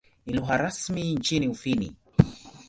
Ni lugha rasmi nchini Ufini.